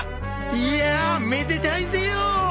いやあめでたいぜよ！